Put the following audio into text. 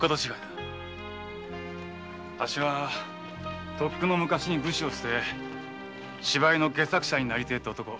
あっしはとっくの昔に武士を棄て芝居の戯作者になりたいって男。